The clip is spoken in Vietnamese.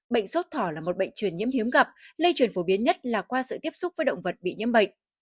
bệnh sốt thỏ là một bệnh truyền nhiễm hiếm gặp lây truyền phổ biến nhất là qua sự tiếp xúc với động vật bị nhiễm bệnh